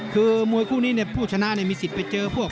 คือมวยคู่นี้ผู้ชนะมีสิทธิ์ไปเจอพวก